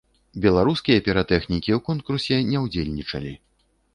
Беларускія піратэхнікі ў конкурсе не ўдзельнічалі.